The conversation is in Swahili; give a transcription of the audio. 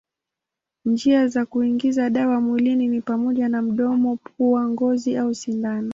Njia za kuingiza dawa mwilini ni pamoja na mdomo, pua, ngozi au sindano.